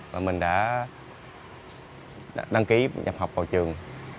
và mình đã đăng ký nhập học vào trường